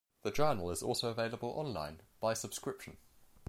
The journal is also available online by subscription.